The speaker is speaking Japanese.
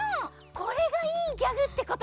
これがいいギャグってことか！